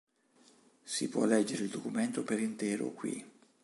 Si può leggere il documento per intero qui.